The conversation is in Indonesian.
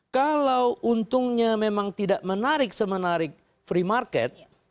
kalau untungnya memang tidak menarik semenarik free market